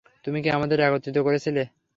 তুমি কি আমাদেরকে একত্রিত করেছিলে?